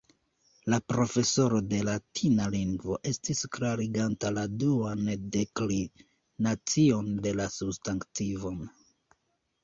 La profesoro de latina lingvo estis klariganta la duan deklinacion de la substantivoj.